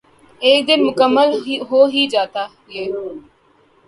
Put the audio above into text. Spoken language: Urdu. ایک دن مکمل ہو ہی جاتا یے